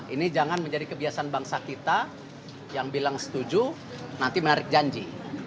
ini jangan menjadi kebiasaan bangsa kita yang bilang setuju nanti menarik janji